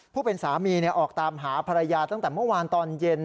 เป็นสามีออกตามหาภรรยาตั้งแต่เมื่อวานตอนเย็น